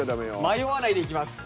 迷わないでいきます。